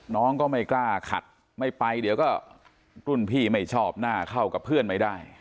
น้องก็ไม่กล้าขัดไม่ไปเดี๋ยวก็รุ่นพี่ไม่ชอบหน้าเข้ากับเพื่อนไม่ได้